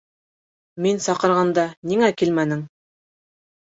— Мин саҡырғанда ниңә килмәнең?